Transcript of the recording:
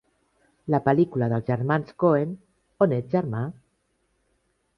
La pel·lícula dels germans Coen On ets, germà?